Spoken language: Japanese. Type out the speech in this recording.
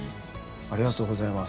ありがとうございます。